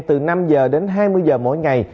từ năm h đến hai mươi h mỗi ngày